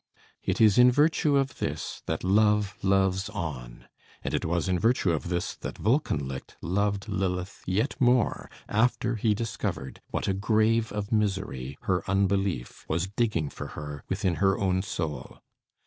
It is in virtue of this that love loves on. And it was in virtue of this, that Wolkenlicht loved Lilith yet more after he discovered what a grave of misery her unbelief was digging for her within her own soul.